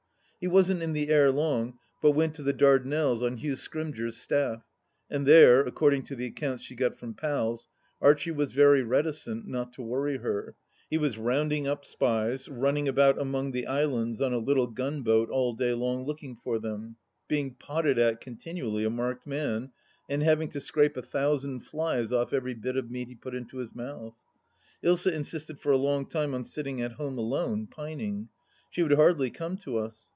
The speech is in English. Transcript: He wasn't in the air long, but went to the Dardanelles on Hugh Scrymgeour's staff. And there according to the accounts she got from pals — ^Archie was very reticent, not to worry her — he was rounding up spies, rimning about among the islands on a little gunboat all day long looking for them, being potted at continually, a marked man, and having to scrape a thousand flies off every bit of meat he put into his mouth I Ilsa insisted for a long time on sitting at home alone, pining. She would hardly come to us.